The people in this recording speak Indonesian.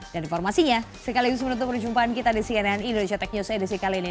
dan informasinya sekaligus menutup perjumpaan kita di cnn indonesia tech news edisi kali ini